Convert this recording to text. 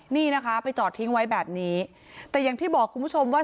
นี่นะคะไปจอดทิ้งไว้แบบนี้แต่อย่างที่บอกคุณผู้ชมว่า